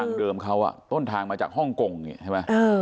ทางเดิมเขาต้นทางมาจากฮ่องกงใช่ไหม